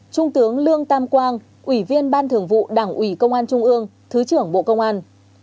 trung tướng lương tam quang ủy viên ban thường vụ đảng ủy công an trung ương thứ trưởng bộ công an